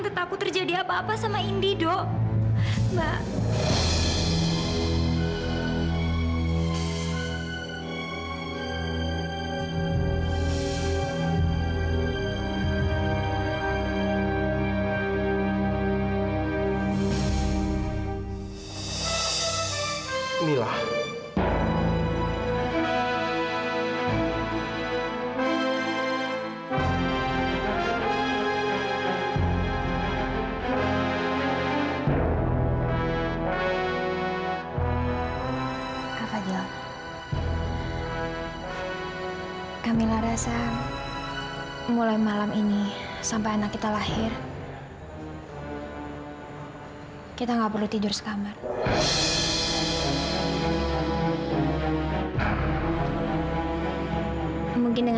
atau mungkin malah membuat kita semakin jauh